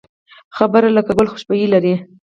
خبره لکه ګل خوشبويي لري